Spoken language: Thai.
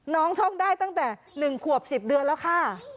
ช่องได้ตั้งแต่๑ขวบ๑๐เดือนแล้วค่ะ